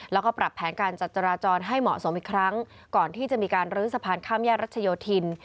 แล้วก็ปรับแผนการจัดจราจรให้เหมาะสมอีกครั้งก่อนที่จะมีการลื้อสะพานข้ามแยกรัชโยธิน